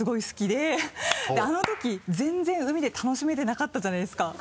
であのとき全然海で楽しめてなかったじゃないですか。